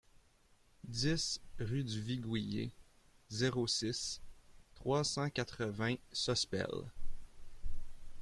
dix rue du Viguier, zéro six, trois cent quatre-vingts Sospel